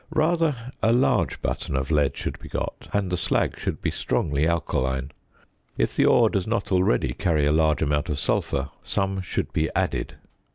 Rather a large button of lead should be got, and the slag should be strongly alkaline; if the ore does not already carry a large amount of sulphur some should be added.